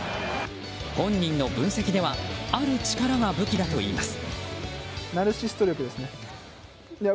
本人の分析ではある力が武器だといいます。